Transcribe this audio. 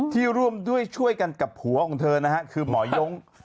ที่ร่วมด้วยช่วยกันกับผัวของเธอคือหมอโย้ง